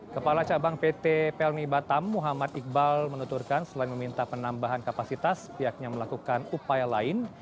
kepala cabang pt pelni batam muhammad iqbal menuturkan selain meminta penambahan kapasitas pihaknya melakukan upaya lain